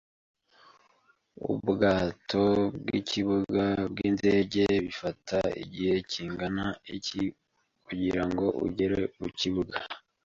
Ubwato bwikibuga bwindege bifata igihe kingana iki kugirango ugere kukibuga?